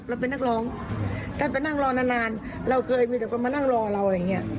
เป็นนักร้องท่านไปนั่งรอนานนานเราเคยมีแต่คนมานั่งรอเราอะไรอย่างนี้